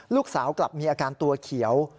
ลูกสาวกลับมีอาการตัวเขียว